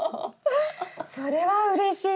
それはうれしいです。